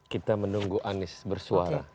kita menunggu anies bersuara